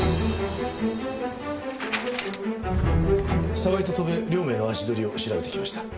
澤井と戸辺両名の足取りを調べてきました。